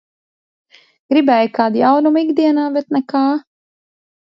Gribēju kādu jaunumu ikdienā, bet nekā.